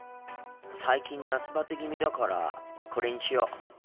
最近夏バテ気味だからこれにしよう。